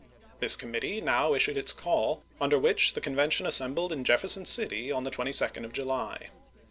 This com mittee now issued its call, under which the conven tion assembled in Jefferson City on the 22d of July.